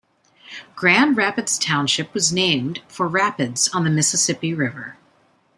Grand Rapids Township was named for rapids on the Mississippi River.